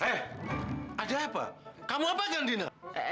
eh ada apa kamu ngapain dengan dina